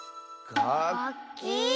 がっき？